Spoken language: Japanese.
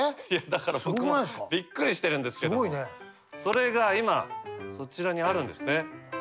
だから僕もびっくりしてるんですけどもそれが今そちらにあるんですね。